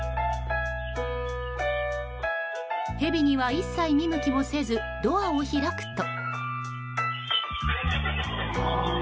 ヘビには一切見向きもせずドアを開くと。